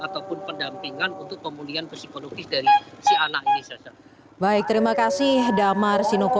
ataupun pendampingan untuk pemulihan psikologis dari si anak ini saja baik terima kasih damar sinoko